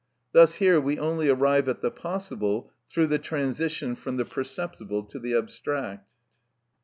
Thus here we only arrive at the possible through the transition from the perceptible to the abstract.